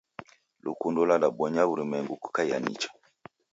Lukundo ludabonya w'urumwegu kukaia nicha.